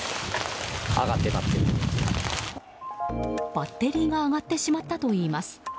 バッテリーが上がってしまったといいます。